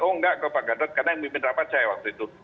oh enggak ke pak gatot karena yang mimpin rapat saya waktu itu